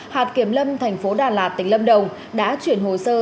hạt kiểm lâm thành phố đà lạt tỉnh lâm đồng đã chuyển hồ sơ